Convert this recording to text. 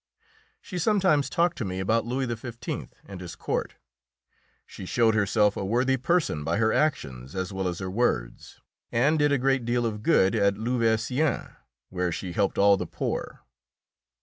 She sometimes talked to me about Louis XV. and his court. She showed herself a worthy person by her actions as well as her words, and did a great deal of good at Louveciennes, where she helped all the poor.